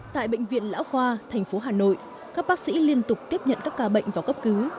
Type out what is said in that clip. tại bệnh viện lão khoa thành phố hà nội các bác sĩ liên tục tiếp nhận các ca bệnh vào cấp cứu